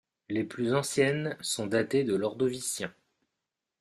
Les plus anciennes sont datées de l'Ordovicien.